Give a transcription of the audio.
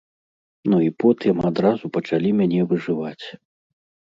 Ну і потым адразу пачалі мяне выжываць.